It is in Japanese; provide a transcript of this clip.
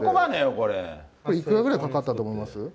これ、いくらくらいかかったと思います？